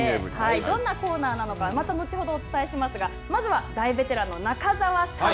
どんなコーナーなのか、また後ほどお伝えしましたが、まずは大ベテランの中澤さん。